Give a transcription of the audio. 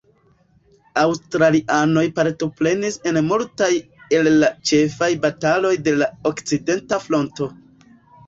Aŭstralianoj partoprenis en multaj el la ĉefaj bataloj de la Okcidenta Fronto.